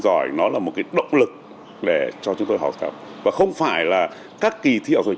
giỏi nó là một cái động lực để cho chúng tôi học học và không phải là các kỳ thi học sinh giỏi